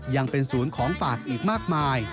ยังเป็นศูนย์ของฝากอีกมากมาย